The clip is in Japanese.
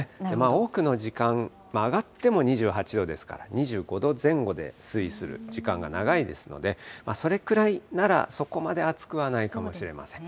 多くの時間、上がっても２８度ですから、２５度前後で推移する時間が長いですので、それくらいなら、そこまで暑くはないかもしれません。